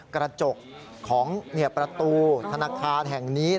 กระจกของประตูธนาคารแห่งนี้